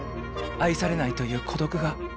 愛されないという孤独が。